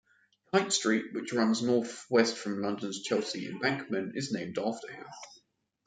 Tite Street, which runs north-west from London's Chelsea Embankment, is named after him.